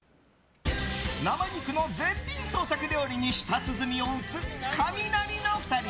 生肉の絶品創作料理に舌鼓を打つカミナリの２人。